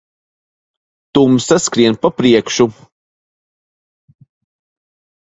Tumsa skrien pa priekšu.